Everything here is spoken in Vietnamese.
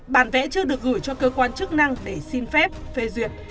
bản vẽ chưa được gửi cho cơ quan chức năng để xin phép phê duyệt